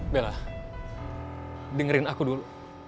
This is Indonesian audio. bella dengerin aku dulu